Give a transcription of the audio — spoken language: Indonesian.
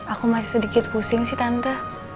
aku masih sedikit pusing sih tante